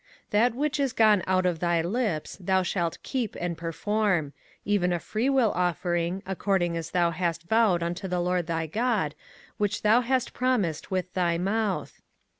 05:023:023 That which is gone out of thy lips thou shalt keep and perform; even a freewill offering, according as thou hast vowed unto the LORD thy God, which thou hast promised with thy mouth.